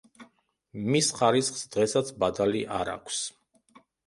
მის ხარისხს დღესაც ბადალი არ აქვს.